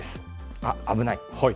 あっ、危ない。